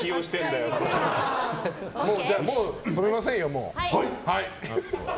もう止めませんよ。